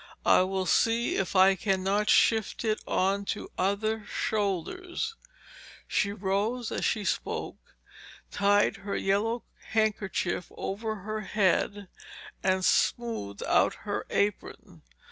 I will see if I cannot shift it on to other shoulders.' She rose as she spoke, tied her yellow handkerchief over her head and smoothed out her apron.